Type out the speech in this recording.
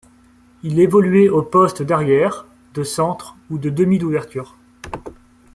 Il évoluait aux postes d'arrière, de centre ou de demi d'ouverture.